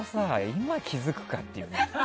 今、気づくかっていう。